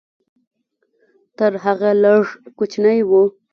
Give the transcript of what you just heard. تر هغه لږ کوچنی و.